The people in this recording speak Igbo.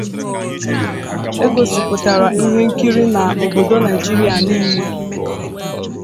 E gosipụtara ihe nkiri a n'obodo Nigeria niile..